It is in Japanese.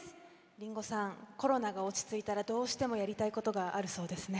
林檎さん、コロナが落ち着いたらどうしてもやりたいことがあるそうですね。